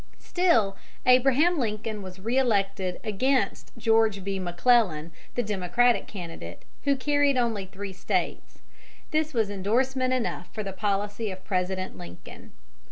Still, Abraham Lincoln was re elected against George B. McClellan, the Democratic candidate, who carried only three States. This was endorsement enough for the policy of President Lincoln.